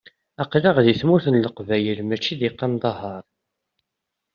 Aql-aɣ deg tmurt n Leqbayel, mačči deg Qandahaṛ.